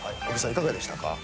いかがでしたか？